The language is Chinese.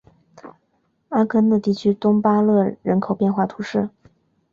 阿戈讷地区东巴勒人口变化图示